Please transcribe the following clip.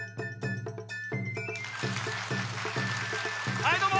はいどうも！